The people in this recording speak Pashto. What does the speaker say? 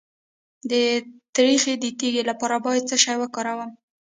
د تریخي د تیږې لپاره باید څه شی وکاروم؟